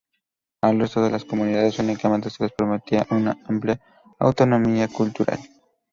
Al resto de las comunidades únicamente se les prometía una amplia autonomía cultural.